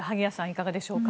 いかがでしょうか。